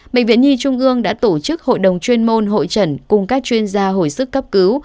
bệnh viện nhi trung ương đã tổ chức hội đồng chuyên môn hội trần cùng các chuyên gia hồi sức cấp cứu